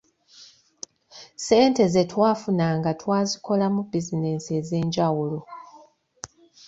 Ssente ze twafunanga twazikolamu bizinensi ez’enjawulo.